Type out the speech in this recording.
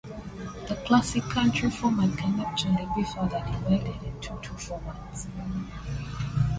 The classic country format can actually be further divided into two formats.